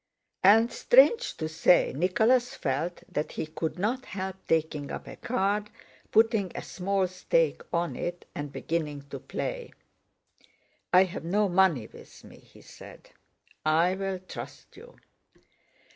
And strange to say Nicholas felt that he could not help taking up a card, putting a small stake on it, and beginning to play. "I have no money with me," he said. "I'll trust you."